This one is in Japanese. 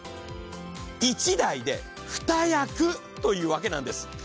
一台で２役というわけなんです。